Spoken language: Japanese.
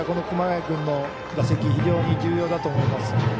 熊谷君の打席非常に重要だと思います。